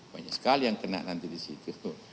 banyak sekali yang kena nanti di situ